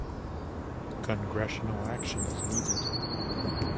Congressional action is needed.